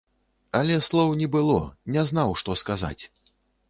Але слоў не было, не знаў, што сказаць.